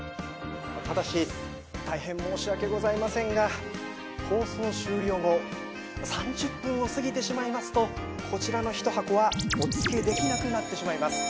ただしたいへん申し訳ございませんが放送終了後３０分を過ぎてしまいますとこちらの１箱はお付けできなくなってしまいます。